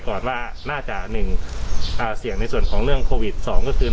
ก่อนว่าน่าจะหนึ่งเสี่ยงในส่วนของเรื่องโควิดสองก็คือ